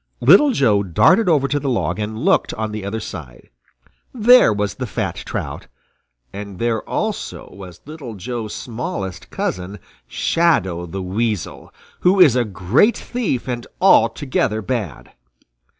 Little Joe darted over to the log and looked on the other side. There was the fat trout, and there also was Little Joe's smallest cousin, Shadow the Weasel, who is a great thief and altogether bad.